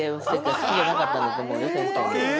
好きじゃなかったんだと思うよ先生も。